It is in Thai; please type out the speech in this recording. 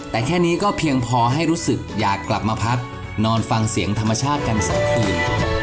แต่แค่นี้ก็เพียงพอให้รู้สึกอยากกลับมาพักนอนฟังเสียงธรรมชาติกันสองคืน